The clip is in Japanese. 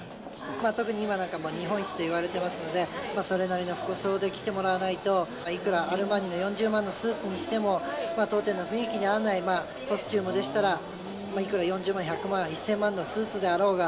特に今なんか日本一といわれてますので、それなりの服装で来てもらわないと、いくらアルマーニの４０万のスーツにしても、当店の雰囲気に合わないコスチュームでしたら、いくら４０万、１００万、１０００万のスーツであろうが。